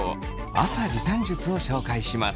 朝時短術を紹介します。